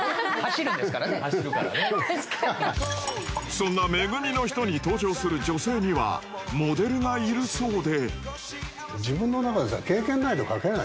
そんな『め組のひと』に登場する女性にはモデルがいるそうで。